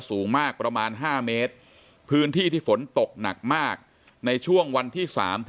สูงมากประมาณ๕เมตรพื้นที่ที่ฝนตกหนักมากในช่วงวันที่๓